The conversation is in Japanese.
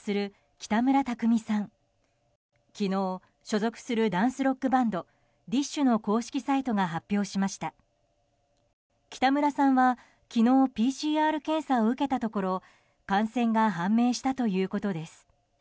北村さんは、昨日ＰＣＲ検査を受けたところ感染が判明したということです。